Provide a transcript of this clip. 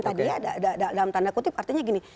tadi ya dalam tanda kutip artinya gini